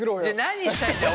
何したいんだよ